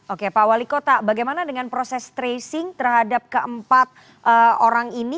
oke pak wali kota bagaimana dengan proses tracing terhadap keempat orang ini